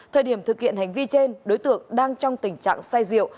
thời điểm thực hiện hành vi trên đối tượng đang trong tình trạng say rượu